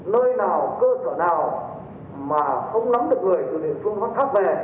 nơi nào cơ sở nào mà không nắm được người từ địa phương khác về